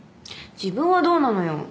自分はどうなのよ